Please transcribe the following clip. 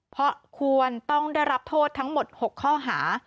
เพราะควรต้องได้รับโทษทั้งหมด๖ข้อหา